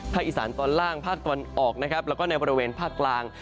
ภาคอิสานตอนล่างภาคตอนออกแล้วก็ในประเวณภาคกลาง